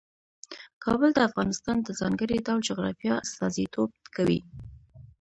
کابل د افغانستان د ځانګړي ډول جغرافیه استازیتوب کوي.